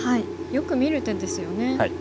よく見る手ですよね。